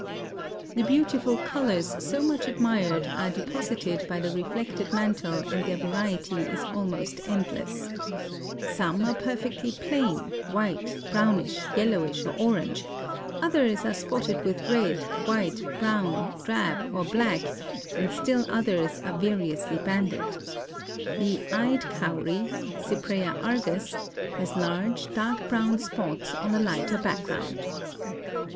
The beautiful colors so much admired are deposited by the reflected mantle and their variety is almost endless. Some are perfectly plain, white, brownish, yellowish or orange, others are spotted with red, white, brown, drab or black, and still others are variously banded. The eyed cowry (Cypraea argus) has large, dark brown spots on a lighter background.